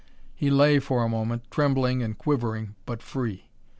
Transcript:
He lay for a moment, trembling and quivering but free.